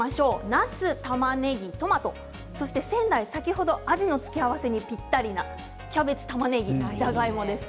なす、たまねぎ、トマト仙台は先ほどアジの付け合わせにぴったりなキャベツ、たまねぎじゃがいもですね。